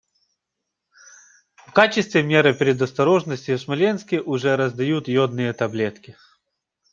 В качестве меры предосторожности в Смоленске уже раздают йодные таблетки.